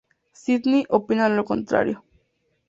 Sidney opina lo contrario.